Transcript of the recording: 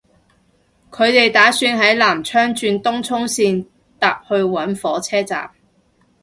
佢哋打算喺南昌轉東涌綫搭去搵火車站